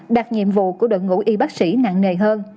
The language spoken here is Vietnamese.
đặt nhiệm vụ của đội ngũ y bác sĩ nặng nề hơn